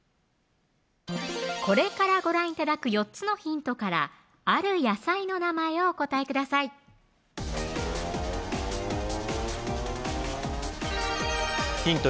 これからご覧頂く４つのヒントからある野菜の名前をお答えくださいヒント